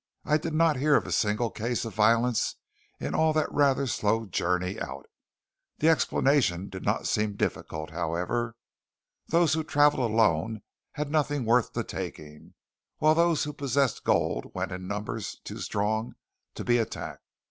I did not hear of a single case of violence in all the rather slow journey out. The explanation did not seem difficult, however. Those who travelled alone had nothing worth the taking; while those who possessed gold went in numbers too strong to be attacked.